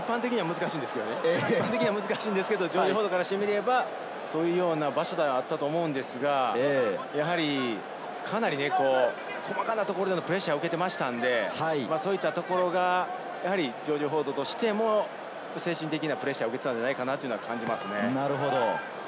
一般的には難しいんですけれど、ジョージ・フォードからしてみれば、というような場所ではあったと思うのですが、やはりかなり細かなところでプレッシャーを受けていましたので、そういったところがジョージ・フォードとしても精神的なプレッシャーを受けていたのではないかと感じます。